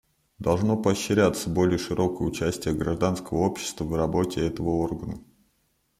Должно поощряться более широкое участие гражданского общества в работе этого органа.